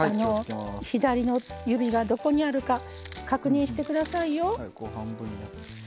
左の指が、どこにあるか確認してくださいよ。